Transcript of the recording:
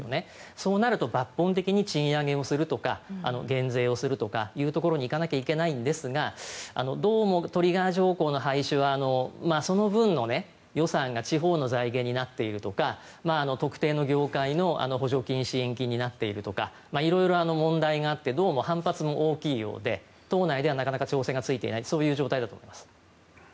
そうなると抜本的に賃上げをするとか減税をするとかいうところにいかなきゃいけないんですがどうもトリガー条項の廃止はその分の予算が地方の財源になっているとか特定の業界の補助金支援金になっているとか色々問題があってどうも反発も大きいようで党内ではなかなか調整がついていないそういう状態だと思います。